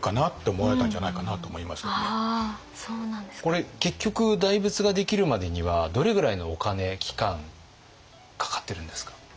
これ結局大仏ができるまでにはどれぐらいのお金期間かかってるんですか？